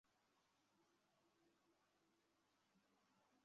কলটা ধরে loud speaker দে।